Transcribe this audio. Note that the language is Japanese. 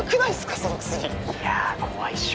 その薬いや怖いっしょ